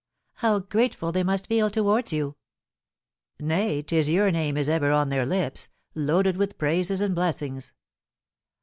"How grateful they must feel towards you!" "Nay, 'tis your name is ever on their lips, loaded with praises and blessings."